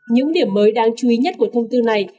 những điểm mới đáng chú ý nhất của thông tư này